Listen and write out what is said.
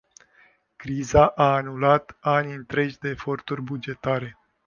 Criza a anulat ani întregi de eforturi bugetare.